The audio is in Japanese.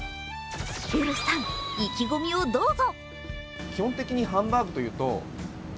ウルフさん、意気込みをどうぞ。